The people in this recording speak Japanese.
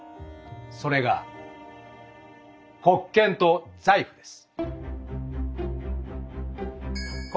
それが「国権」と「財富」です。